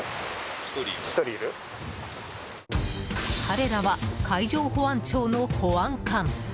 彼らは海上保安庁の保安官。